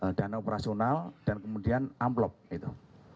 ada dana operasional dan kemudian amplop itu